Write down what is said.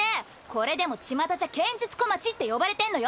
これでもちまたじゃ剣術小町って呼ばれてんのよ！